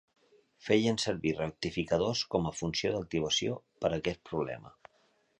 Feien servir rectificadors com a funció d'activació per aquest problema.